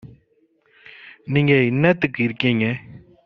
நீங்க என்னத்துக்கு இருக்கீங்க?